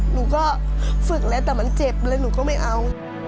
หนูก็ฝึกแล้วแต่มันเจ็บเลยหนูก็ไม่เอา